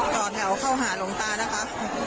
ต่อแถวเข้าหาหลวงตานะคะ